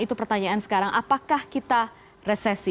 itu pertanyaan sekarang apakah kita resesi